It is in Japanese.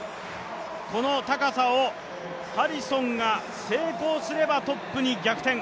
この高さをハリソンが成功すればトップに逆転。